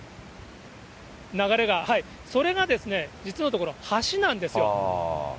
流れが、それがですね、実のところ、橋なんですよ。